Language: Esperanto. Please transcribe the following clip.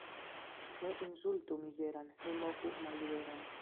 Ne insultu mizeran, ne moku malliberan.